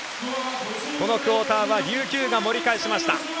このクオーターは琉球が盛り返しました。